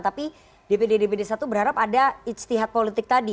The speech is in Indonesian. tapi dpd dpd satu berharap ada istihad politik tadi